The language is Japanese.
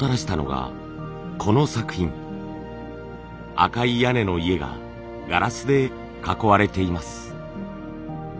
赤い屋根の家がガラスで囲われています。